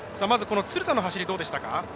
鶴田の走り、どうでしたか？